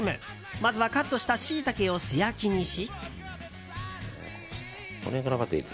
まずは、カットしたシイタケを素焼きにし。